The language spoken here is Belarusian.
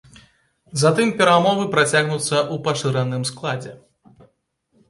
Затым перамовы працягнуцца ў пашыраным складзе.